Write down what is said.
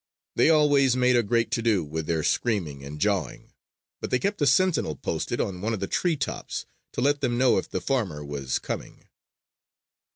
They always made a great to do with their screaming and jawing; but they kept a sentinel posted on one of the tree tops to let them know if the farmer was coming.